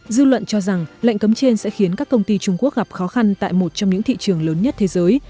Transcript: dư luận cho rằng lệnh cấm trên sẽ khiến các công ty trung quốc gặp khó khăn tại một trong những thị trường lớn nhất thế giới